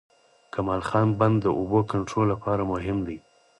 کمال خان بند د اوبو کنټرول لپاره مهم دی